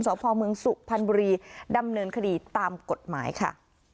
สพมสุพันบุรีดำเนินคดีตามกฎหมายค่ะ